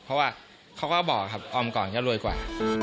เพราะว่าเขาก็บอกครับออมก่อนก็รวยกว่า